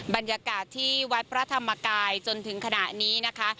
บรรยากาศที่วัดพระธรรมกายจนถึงขณะนี้นะคะ